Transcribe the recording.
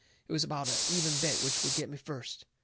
It was about a even bet which would get me first.